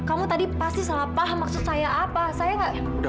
kamu tadi pasti salah paham maksud saya apa